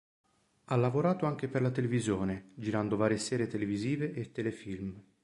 Ha lavorato anche per la televisione, girando varie serie televisive e telefilm.